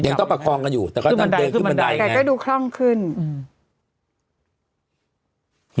ยังต้องประคองกันอยู่แต่ก็ดันเดินขึ้นบันไดแต่ก็ดูคล่องขึ้นอืม